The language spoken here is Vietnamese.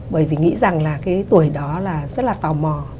bởi vì nghĩ rằng là cái tuổi đó là rất là tò mò